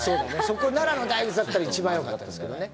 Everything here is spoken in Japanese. そこ奈良の大仏だったら一番よかったですけどね。